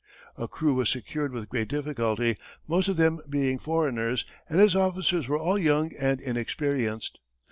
A crew was secured with great difficulty, most of them being foreigners, and his officers were all young and inexperienced.